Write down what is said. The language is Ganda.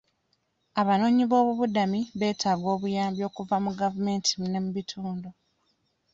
Abanoonyi b'obubudami beetaaga obuyambi okuva mu gavumenti ne mu bitundu.